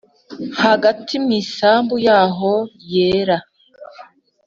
Hagati mu isambu yaho yera